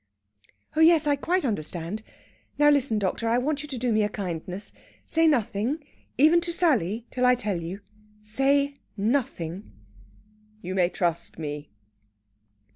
"Oh yes, I quite understand. Now listen, doctor. I want you to do me a kindness. Say nothing, even to Sally, till I tell you. Say nothing!" "You may trust me."